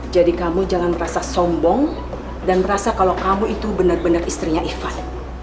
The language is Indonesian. jadi kamu jangan merasa sombong dan merasa kalau kamu itu benar benar istrinya ivan